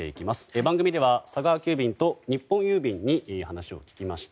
番組では佐川急便と日本郵便に話を聞きました。